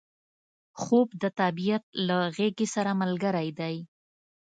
خوب د طبیعت له غیږې سره ملګری دی